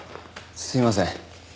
すいません。